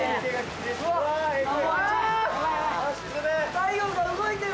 太陽が動いてる。